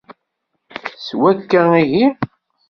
S wakka ihi.